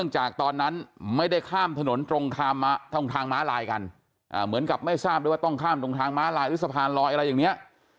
ชาดรีนะครับเล่นโฆษณาชิ้นนี้